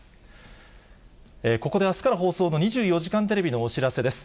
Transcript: ここであすから放送の２４時間テレビのお知らせです。